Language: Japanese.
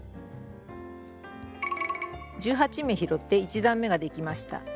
１８目拾って１段めができました。